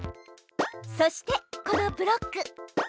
そしてこのブロック。